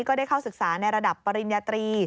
ก็ได้เข้าศึกษาในระดับปริญญาตรี